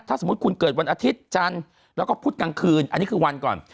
ถ้าสมมุติคุณเกิดวันอาทิตย์จันทร์แล้วก็พุธกลางคืนอันนี้คือวันก่อน